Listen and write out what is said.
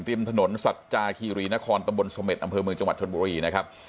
ริมถนนสัจจาคีรีนครตำบลเสม็ดอำเภอเมืองจังหวัดชนบุรีนะครับ